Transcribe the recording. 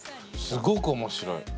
すごく面白い。